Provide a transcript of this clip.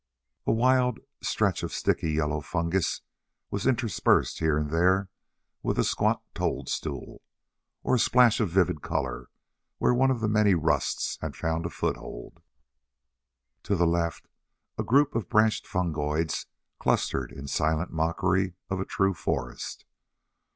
A wild stretch of sickly yellow fungus was interspersed here and there with a squat toadstool, or a splash of vivid color where one of the many rusts had found a foothold. To the left a group of branched fungoids clustered in silent mockery of a true forest.